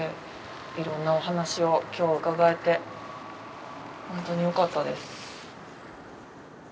いろんなお話を今日伺えて本当によかったです。